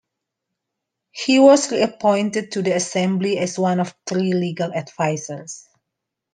He was reappointed to the Assembly as one of three Legal Advisors.